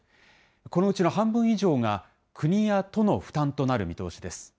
このうちの半分以上が、国や都の負担となる見通しです。